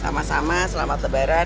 sama sama selamat lebaran